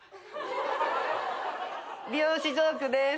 美容師ジョークです。